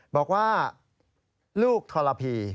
บอกว่าลูกทรพี